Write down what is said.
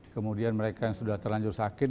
kemudian mereka yang sudah terlanjur sakit